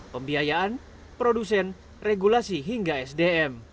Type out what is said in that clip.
pembiayaan produsen regulasi hingga sdm